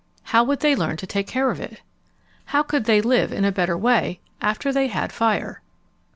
How would they learn to take care of it? Why could they live in a better way after they had fire?